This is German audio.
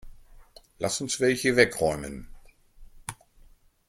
Lass uns welche wegräumen.